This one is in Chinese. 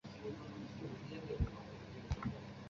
上奥里藏特是巴西戈亚斯州的一个市镇。